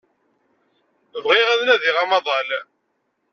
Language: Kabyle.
Bɣiɣ ad nadiɣ amaḍal.